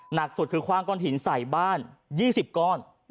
หนักสุดคือคว่างก้อนหินใส่บ้าน๒๐ก้อน